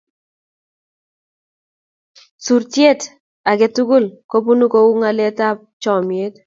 Sirutyet ake tukul kobunun kou ng'alyotap chomyet.